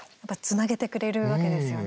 つなげてくれるわけですね。